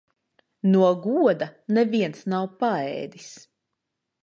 No goda neviens nav paēdis.